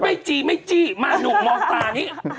ไม่จี้ไม่จี้มาหนุ่มมองตานี้